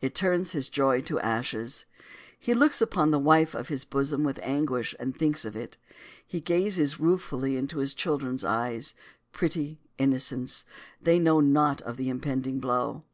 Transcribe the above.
It turns his joy to ashes. He looks upon the wife of his bosom with anguish as he thinks of it. He gazes ruefully into his children's eyes; pretty innocents, they know naught of the impending blow.